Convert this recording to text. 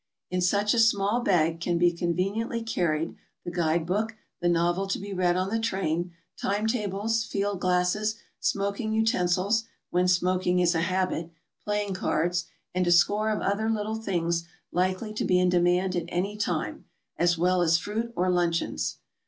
In such a small bag can be conveniently carried the guide book, the novel to be read on the train, time tables, field glasses, smoking utensils personalities. 221 when smoking is a habit, playing cards, and a score of other little things likely to be in demand at any time, as well as fruit or luncheons.